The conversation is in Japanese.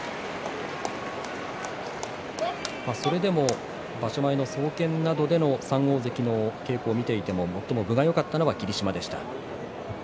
それでも場所前の総見などでも３大関の稽古を見ていても最も分がよかったのは霧島でした。